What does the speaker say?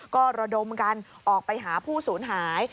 ก็ระดมกันออกไปหาผู้สูญหาย